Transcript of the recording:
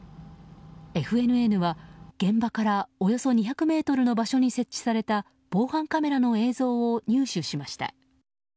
ＦＮＮは現場からおよそ２００ｍの場所に設置された防犯カメラの映像を入手しました。